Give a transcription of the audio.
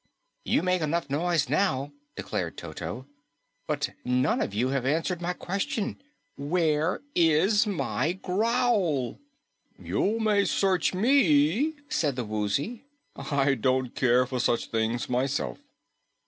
"You make enough noise now," declared Toto. "But none of you have answered my question: Where is my growl?" "You may search ME," said the Woozy. "I don't care for such things, myself."